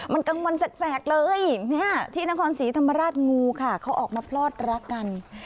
มันกลางวันแสกเลยที่นครศรีธรรมราชงูค่ะเขาออกมาพลอดรักกัน